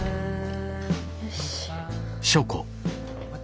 よし。